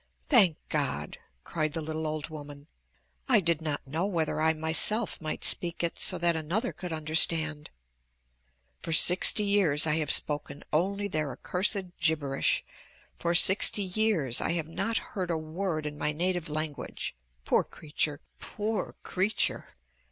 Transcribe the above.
"Thank God!" cried the little old woman. "I did not know whether I myself might speak it so that another could understand. For sixty years I have spoken only their accursed gibberish. For sixty years I have not heard a word in my native language. Poor creature! Poor creature!"